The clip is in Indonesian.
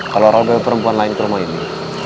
kalau orang dari perempuan lain ke rumah ini